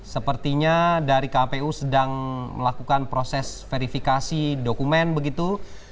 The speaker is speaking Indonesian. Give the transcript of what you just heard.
sepertinya dari kpu sedang melakukan proses verifikasi dokumen begitu